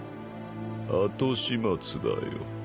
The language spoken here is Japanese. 後始末だよ。